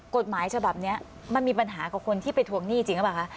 กฎหมายฉบับนี้มันมีปัญหากับคนที่ไปทวงหนี้จริงหรือเปล่าคะ